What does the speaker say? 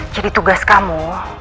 jadi tugas kamu